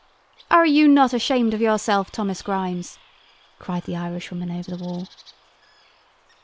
"Are you not ashamed of yourself, Thomas Grimes?" cried the Irishwoman over the wall.